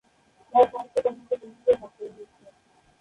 তার সাহিত্য কর্মকে দুই ভাগে ভাগ করা হয়েছে।